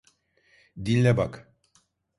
Dinle bak…